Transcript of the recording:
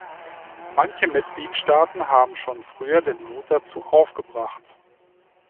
Manche Mitgliedstaaten haben schon früher den Mut dazu aufgebracht.